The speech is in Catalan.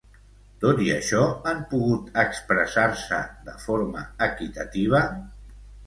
Tot i això, han pogut expressar-se de forma equitativa?